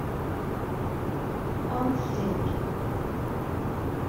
An Ghréig